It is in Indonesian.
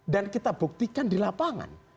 dan kita buktikan di lapangan